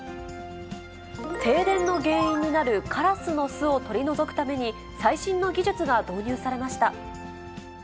停電の原因になるカラスの巣を取り除くために、最新の技術が導入されました。